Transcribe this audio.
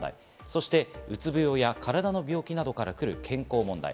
そしてうつ病や体の病気などからくる健康問題。